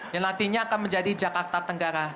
yang nantinya akan menjadi jakarta tenggara